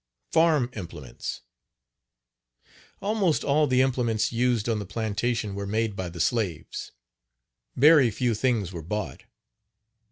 FARM IMPLEMENTS. Almost all the implements used on the plantation were made by the slaves. Very few things were bought.